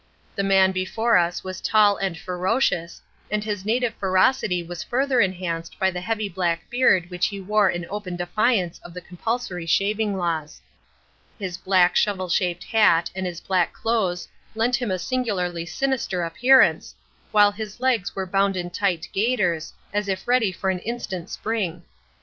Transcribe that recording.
The man before us was tall and ferocious, and his native ferocity was further enhanced by the heavy black beard which he wore in open defiance of the compulsory shaving laws. His black shovel shaped hat and his black clothes lent him a singularly sinister appearance, while his legs were bound in tight gaiters, as if ready for an instant spring.